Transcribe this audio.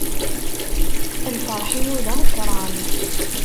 Lferḥ-inu d ameqqran.